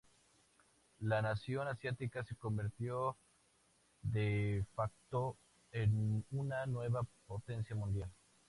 La nación asiática se convirtió de facto en una nueva potencia mundial.